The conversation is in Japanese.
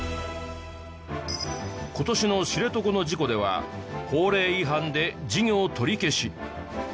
今年の知床の事故では法令違反で事業取り消し。